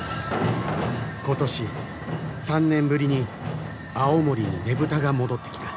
今年３年ぶりに青森にねぶたが戻ってきた。